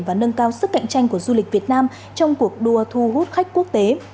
và nâng cao sức cạnh tranh của du lịch việt nam trong cuộc đua thu hút khách quốc tế